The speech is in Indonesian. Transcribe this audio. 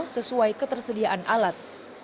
sesuai ketersediaan alat